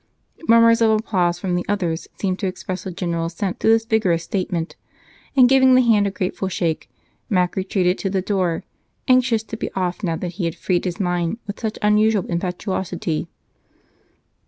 Murmurs of applause from the others seemed to express a general assent to this vigorous statement, and, giving the hand a grateful shake, Mac retreated to the door, anxious to be off now that he had freed his mind with such unusual impetuosity.